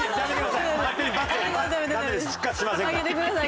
上げてください